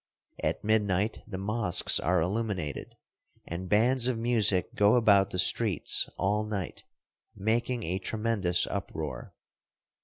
At midnight the mosques are illuminated, and bands of music go about the streets all night, making a tremendous uproar.